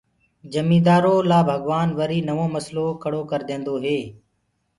جميندآرو لآ ڀگوآن وري نوو مسلو کڙو ڪرديندو هي